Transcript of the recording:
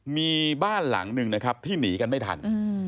มีบ้านหลังหนึ่งนะครับที่หนีกันไม่ทัน